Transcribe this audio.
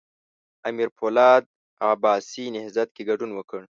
امیر پولاد عباسي نهضت کې ګډون وکړ.